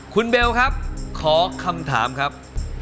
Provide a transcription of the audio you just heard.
คุณเบลครับขอคำถามครับ